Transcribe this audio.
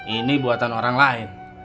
ini buatan orang lain